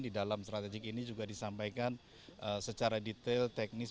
di dalam strategik ini juga disampaikan secara detail teknis